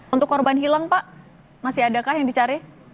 untuk korban hilang pak masih adakah yang dicari